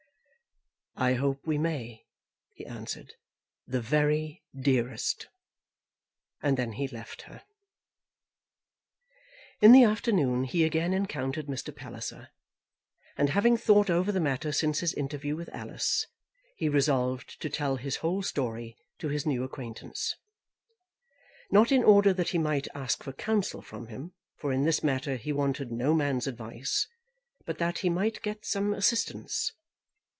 "I hope we may," he answered; "the very dearest." And then he left her. In the afternoon he again encountered Mr. Palliser, and having thought over the matter since his interview with Alice, he resolved to tell his whole story to his new acquaintance, not in order that he might ask for counsel from him, for in this matter he wanted no man's advice, but that he might get some assistance.